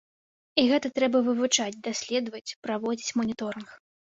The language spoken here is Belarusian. І гэта трэба вывучаць, даследаваць, праводзіць маніторынг.